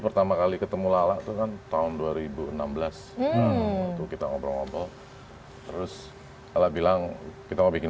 pertama kali ketemu lalat dengan tahun dua ribu enam belas kita ngobrol ngobrol terus kalau bilang kita bikin